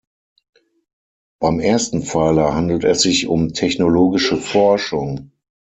Beim ersten Pfeiler handelt es sich um technologische Forschung.